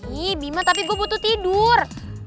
ih bima tapi gue butuh tidur